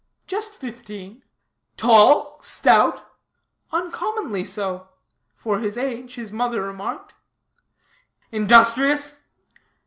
"Just fifteen." "Tall? Stout?" "Uncommonly so, for his age, his mother remarked." "Industrious?"